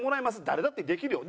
誰だってできるよ。